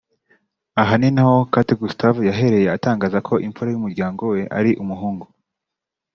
Aha ninaho Kate Gustave yahereye atangaza ko imfura y’umuryango we ari umuhungu